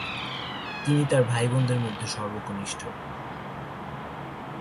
তিনি তার ভাইবোনদের মধ্যে সর্বকনিষ্ঠ।